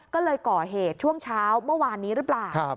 ก็เลยก่อเหตุช่วงเช้าเมื่อวานนี้หรือเปล่า